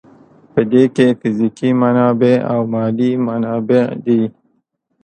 په دې کې فزیکي منابع او مالي منابع دي.